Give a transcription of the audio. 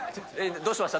どうしました？